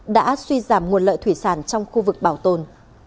đã suy giảm nguồn lợi thủy sản trong khu vực bảo tồn